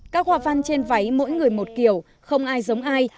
các hoa văn trên váy mỗi người một kiểu không ai giống ai